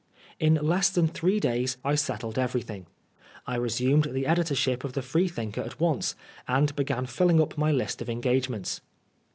In less than three days I settled everything. I resumed the editorship of the Freethinker at once, and began filling up my list of engagements.